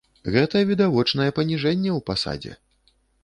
Гэта відавочнае паніжэнне ў пасадзе.